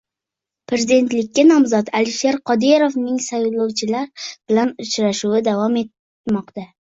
Prezidentlikka nomzod Alisher Qodirovning saylovchilar bilan uchrashuvi davom etmoqda